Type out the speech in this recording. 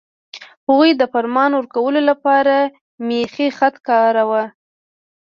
هغوی د فرمان ورکولو لپاره میخي خط کاراوه.